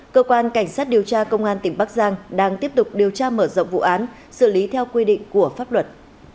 cơ quan cảnh sát điều tra công an tỉnh bắc giang đang tiếp tục điều tra mở rộng vụ án xử lý theo quy định của pháp luật